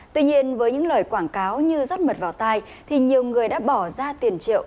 tuy nhiên với những lời quảng cáo như rót mật vào tay thì nhiều người đã bỏ ra tiền triệu